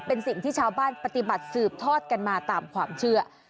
เป็นสิ่งที่ชาวบ้านปฏิบัติสืบทอดกันมาตามความเชื่อ